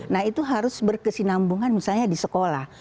nah itu harus berkesinambungan misalnya di sekolah